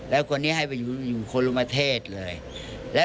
แล้วก็น้องคนนี้ให้ไปอยู่บุรุษมนตร์